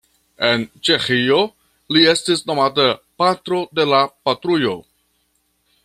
En Ĉeĥio li estis nomata "Patro de la Patrujo".